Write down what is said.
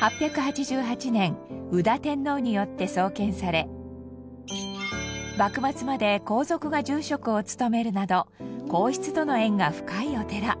８８８年宇多天皇によって創建され幕末まで皇族が住職を務めるなど皇室との縁が深いお寺。